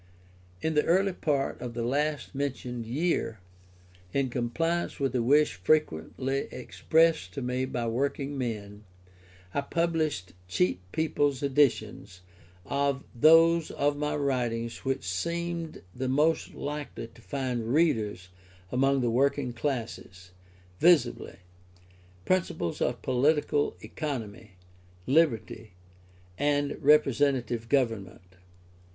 In the early part of the last mentioned year, in compliance with a wish frequently expressed to me by working men, I published cheap People's Editions of those of my writings which seemed the most likely to find readers among the working classes; viz, Principles of Political Economy, Liberty, and Representative Government.